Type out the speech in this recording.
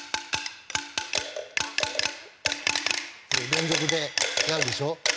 連続でやるでしょ。